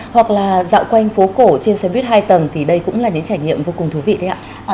hoặc là dạo quanh phố cổ trên xe buýt hai tầng thì đây cũng là những trải nghiệm vô cùng thú vị đấy ạ